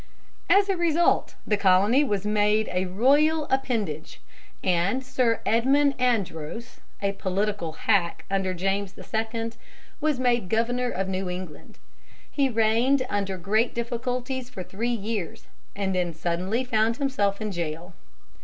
As a result, the Colony was made a royal appendage, and Sir Edmund Andros, a political hack under James II., was made Governor of New England. He reigned under great difficulties for three years, and then suddenly found himself in jail.